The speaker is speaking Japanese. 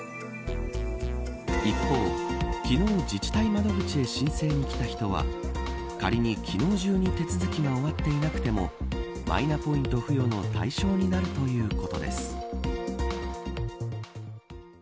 一方、昨日自治体窓口へ申請に来た人は仮に昨日中に手続きが終わっていなくてもマイナポイント付与の対象になるということです。